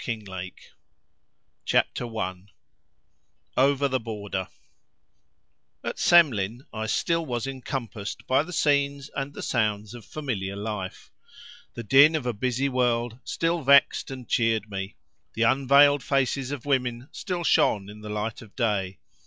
W. KINGSLAKE CHAPTER I—OVER THE BORDER At Semlin I still was encompassed by the scenes and the sounds of familiar life; the din of a busy world still vexed and cheered me; the unveiled faces of women still shone in the light of day.